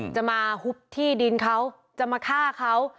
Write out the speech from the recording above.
จะมาหุบที่ดินเขาจะมาฆ่าเขา